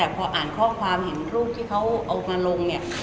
พออ่านข้อความเห็นรูปที่เขาเอามาลงเนี่ย